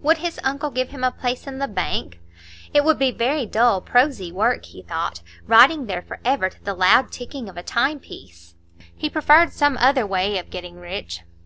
Would his uncle give him a place in the bank? It would be very dull, prosy work, he thought, writing there forever to the loud ticking of a timepiece. He preferred some other way of getting rich.